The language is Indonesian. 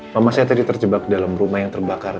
mama saya tadi terjebak dalam rumah yang terbakar